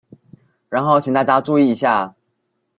然後請大家注意一下